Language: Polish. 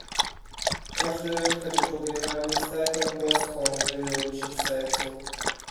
"Każdy ruch tego człowieka niestartą głoską wyrył mi się w sercu."